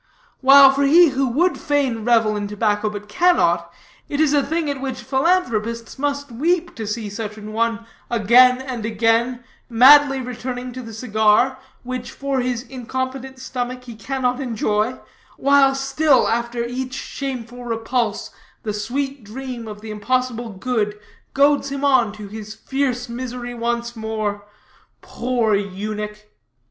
While for him who would fain revel in tobacco, but cannot, it is a thing at which philanthropists must weep, to see such an one, again and again, madly returning to the cigar, which, for his incompetent stomach, he cannot enjoy, while still, after each shameful repulse, the sweet dream of the impossible good goads him on to his fierce misery once more poor eunuch!"